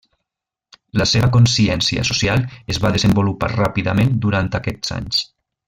La seva consciència social es va desenvolupar ràpidament durant aquests anys.